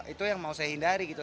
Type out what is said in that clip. itu yang mau saya hindari gitu